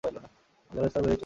জলের স্তর বেড়েই চলেছে।